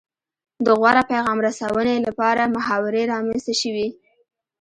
د غوره پیغام رسونې لپاره محاورې رامنځته شوې